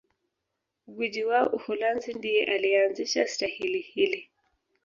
gwiji wa Uholanzi ndiye aliyeanzisha stahili hii